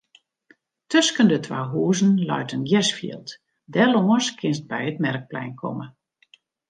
Tusken de twa huzen leit in gersfjild; dêrlâns kinst by it merkplein komme.